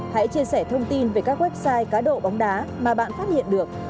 hãy chia sẻ thông tin về các website cá độ bóng đá mà bạn phát hiện được